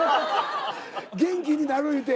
元気になる言うて。